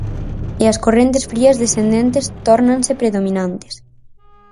E as correntes frías descendentes tórnanse predominantes.